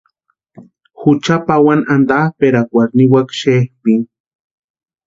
Jucha pawani antaperakwarhu niwaka xepʼini.